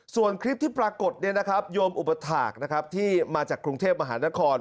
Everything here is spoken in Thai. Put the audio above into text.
ส่วนคลิปที่ปรากฏโยมอุปถาคนะครับที่มาจากกรุงเทพมหานคร